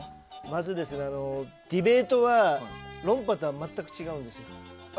まず、ディベートは論破とは全く違うんですよ。